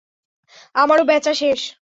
আমারও বেচা শেষ।